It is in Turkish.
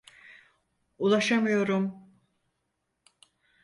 Ulaşamıyorum.